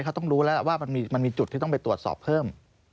เขาต้องรู้แล้วว่ามันมีจุดที่ต้องไปตรวจสอบเพิ่ม